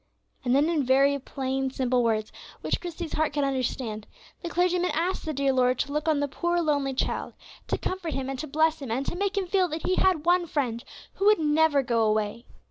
And then, in very plain, simple words, which Christie's heart could understand, the clergyman asked the dear Lord to look on the poor lonely child, to comfort him and to bless him, and to make him feel that he had one Friend who would never go away.